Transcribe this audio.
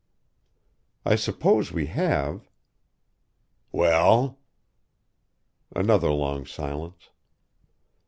"I suppose we have " "Well?" Another long silence.